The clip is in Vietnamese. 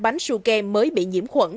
bánh sưu kem mới bị nhiễm khuẩn